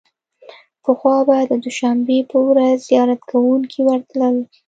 پخوا به د دوشنبې په ورځ زیارت کوونکي ورتلل.